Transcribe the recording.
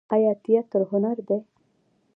آیا تیاتر هنر دی؟